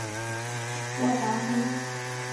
沃达丰